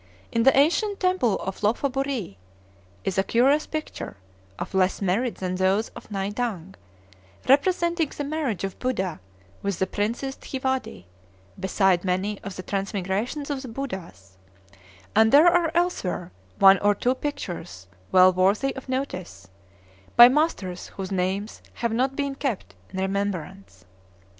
In an ancient temple at Lophaburee is a curious picture, of less merit than those of Nai Dang, representing the marriage of Buddha with the princess Thiwadi, beside many of the transmigrations of the Buddhas; and there are elsewhere one or two pictures well worthy of notice, by masters whose names have not been kept in remembrance.